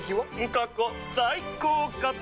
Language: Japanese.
過去最高かと。